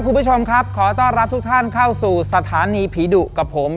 คุณผู้ชมครับขอต้อนรับทุกท่านเข้าสู่สถานีผีดุกับผม